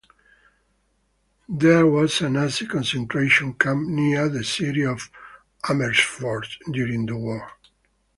There was a Nazi concentration camp near the city of Amersfoort during the war.